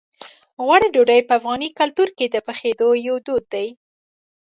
غوړي ډوډۍ په افغاني کلتور کې د پخېدو یو دود دی.